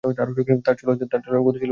তার চলার গতি ছিল সন্দেহপূর্ণ।